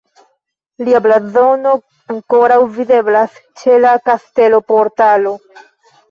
Lia blazono ankoraŭ videblas ĉe la kasteloportalo.